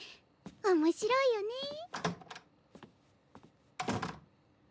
面白いよねぇ。